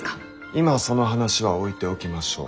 今その話は置いておきましょう。